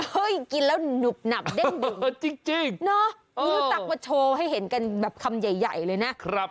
กินแล้วหนุบหนับเด้งเบอร์จริงรู้จักมาโชว์ให้เห็นกันแบบคำใหญ่เลยนะ